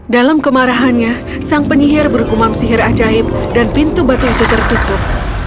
dalam kemarahannya sang penyihir berkumam sihir ajaib dan pintu batu itu tertutup